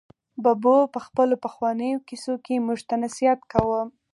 ببو په خپلو پخوانیو کیسو کې موږ ته نصیحت کاوه.